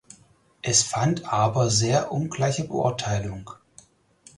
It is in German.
Es fand aber sehr ungleiche Beurteilung.